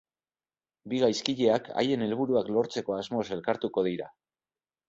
Bi gaizkileak haien helburuak lortzeko asmoz elkartuko dira.